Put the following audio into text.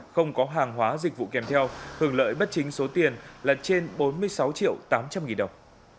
không có hàng hóa dịch vụ kèm theo hưởng lợi bất chính số tiền là trên bốn mươi sáu triệu tám trăm linh nghìn đồng